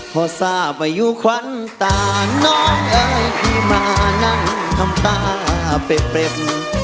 พอทราบอายุควันต่างน้องเอ้ยที่มานั่งทำตาเป็บ